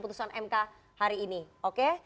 putusan mk hari ini oke